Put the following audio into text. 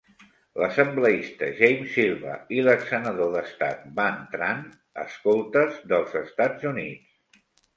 L'assembleista James Silva i l'exsenador d'estat Van Tran, escoltes dels Estats Units.